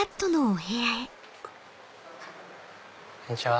こんにちは。